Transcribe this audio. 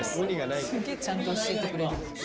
ちゃんと教えてくれるな。